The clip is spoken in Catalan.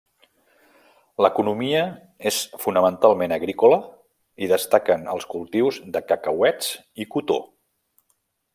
L'economia és fonamentalment agrícola i destaquen els cultius de cacauets i cotó.